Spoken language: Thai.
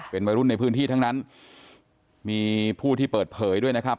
เป็นวัยรุ่นในพื้นที่ทั้งนั้นมีผู้ที่เปิดเผยด้วยนะครับ